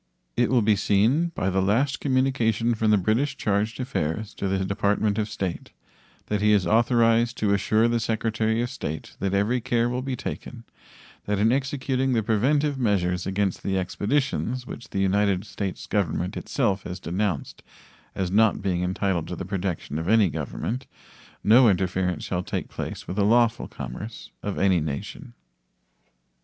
It will be seen by the last communication from the British charge d'affaires to the Department of State that he is authorized to assure the Secretary of State that every care will be taken that in executing the preventive measures against the expeditions which the United States Government itself has denounced as not being entitled to the protection of any government no interference shall take place with the lawful commerce of any nation.